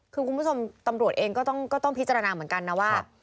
คือคุณผู้ชมตำรวจเองก็ต้องพิจารณาเหมือนกันนะว่า